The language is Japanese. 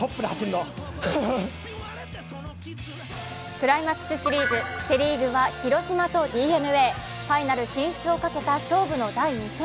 クライマックスシリーズ広島とＤｅＮＡファイナル進出をかけた勝負の第２戦。